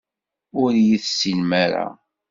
Ur iyi-tessinem ara.